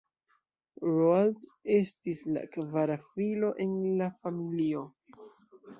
Roald estis la kvara filo en la familio.